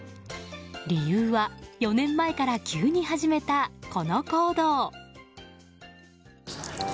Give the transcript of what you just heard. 理由は４年前から急に始めたこの行動。